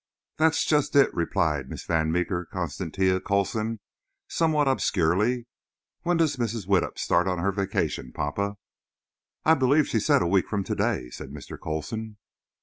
"That's just it," replied Miss Van Meeker Constantia Coulson, somewhat obscurely. "When does Mrs. Widdup start on her vacation, papa?" "I believe she said a week from to day," said Mr. Coulson.